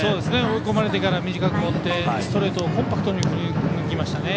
追い込まれてから短く持ってストレートをコンパクトに振り抜きましたね。